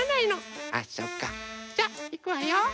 じゃあいくわよ。